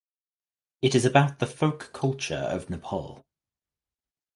It is about the folk culture of Nepal.